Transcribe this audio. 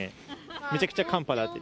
めちゃくちゃ寒波だって。